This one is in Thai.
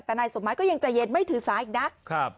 แต่นายสมหมายก็ยังใจเย็นไม่ถือสาอีกนะครับ